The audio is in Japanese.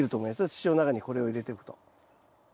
土の中にこれを入れておくと。